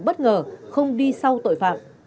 bất ngờ không đi sau tội phạm